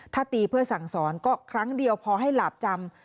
ถ้าตีเพื่อสั่งสอนก็ครั้งเดียวพอให้หลาบจำ